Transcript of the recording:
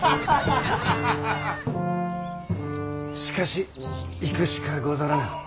しかし行くしかござらぬ。